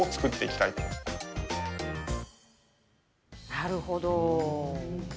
なるほど。